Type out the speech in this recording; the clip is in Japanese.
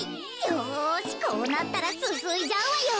よしこうなったらすすいじゃうわよ。